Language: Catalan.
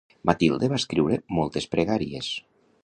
Matilde va escriure moltes pregàries.